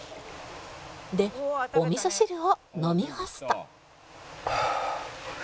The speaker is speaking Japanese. でお味噌汁を飲み干すとはあ！